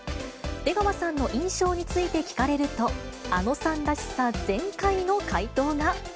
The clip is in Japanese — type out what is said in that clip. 出川さんの印象について聞かれると、あのさんらしさ全開の回答が。